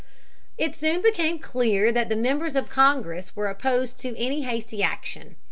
It soon became clear that the members of the Congress were opposed to any hasty action.